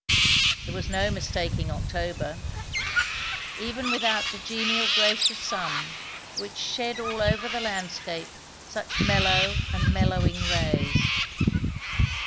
There was no mistaking October; even without the genial, gracious sun which shed over all the landscape such mellow and mellowing rays.